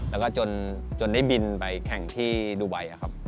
แล้วก็จนได้บินไปแข่งที่ดูไบครับ